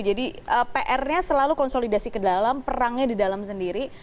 jadi pr nya selalu konsolidasi ke dalam perangnya di dalam sendiri